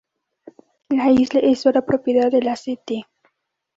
La isla es ahora propiedad de la St.